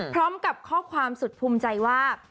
พร้อมกับข้อความสุดภูมิใจว่า